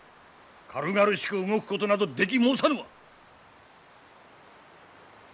軽々しく動くことなどでき申さぬわ。